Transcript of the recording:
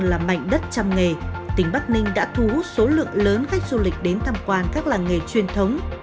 là mảnh đất trăm nghề tỉnh bắc ninh đã thu hút số lượng lớn khách du lịch đến tham quan các làng nghề truyền thống